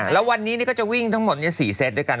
แล้ววันนี้ก็จะวิ่งทั้งหมด๔เซตด้วยกัน